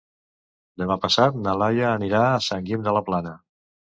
Demà passat na Laia anirà a Sant Guim de la Plana.